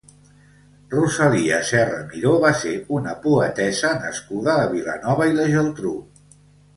Rosalia Serra Miró va ser una poetessa nascuda a Vilanova i la Geltrú.